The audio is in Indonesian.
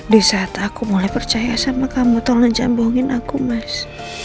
dari saat aku mulai percaya sama kamu tolong jangan bohongin aku mas